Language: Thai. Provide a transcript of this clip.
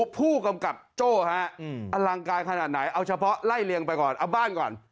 ผู้กำกับโจ้ฮะอลังการขนาดไหนเอาเฉพาะไล่เลียงไปก่อนเอาบ้านก่อน